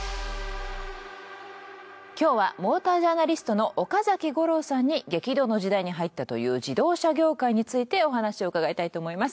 今日はモータージャーナリストの岡崎五朗さんに激動の時代に入ったという自動車業界についてお話を伺いたいと思います。